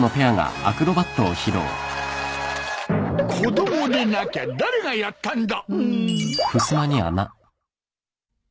子供でなきゃ誰がやったんだ！